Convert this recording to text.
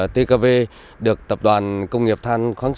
tkv được tập đoàn công nghiệp than khoáng sơn